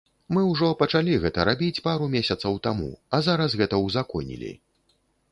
Мы ўжо пачалі гэта рабіць пару месяцаў таму, а зараз гэта узаконілі.